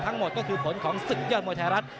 ทั้งหมดก็คือผลของศึกยอดมวยไทยรัฐ